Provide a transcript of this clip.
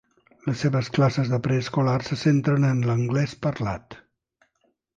Les seves classes de preescolar se centren en l'anglès parlat.